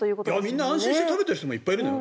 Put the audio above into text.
みんな安心して食べてる人もいるよ